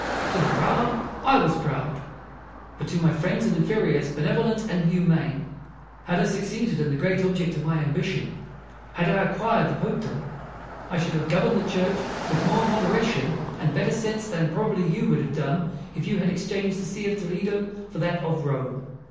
To the proud I was proud, but to my friends and inferiors benevolent and humane. Had I succeeded in the great object of my ambition, had I acquired the Popedom, I should have governed the Church with more moderation and better sense than probably you would have done if you had exchanged the See of Toledo for that of Rome.